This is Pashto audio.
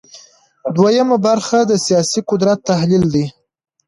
دویمه برخه د سیاسي قدرت تحلیل دی.